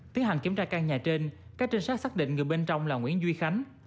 tiến hành kiểm tra căn nhà trên các trinh sát xác định người bên trong là nguyễn duy khánh